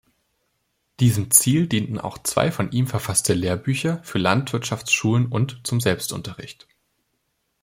Diesem Ziel dienten auch zwei von ihm verfasste Lehrbücher für Landwirtschaftsschulen und zum Selbstunterricht.